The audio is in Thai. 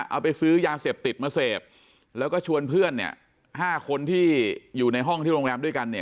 เอาไปซื้อยาเสพติดมาเสพแล้วก็ชวนเพื่อนเนี่ยห้าคนที่อยู่ในห้องที่โรงแรมด้วยกันเนี่ย